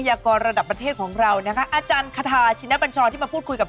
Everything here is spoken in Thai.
ขอบคุณค่ะสาธุน้ำมะนีมามาฮาราคาอิทธิ์ภูชาสุมันต์นะครับ